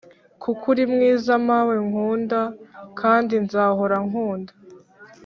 Kuko uri mwiza Mawe nkunda kandi nzahora nkunda